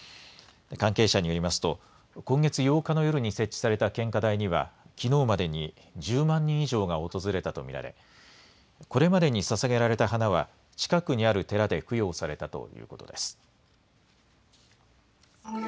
関係者によりますと今月８日の夜に設置された献花台にはきのうまでに１０万人以上が訪れたと見られ、これまでにささげられた花は近くにある寺で供養されたということです。